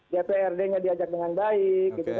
dprd nya diajak dengan baik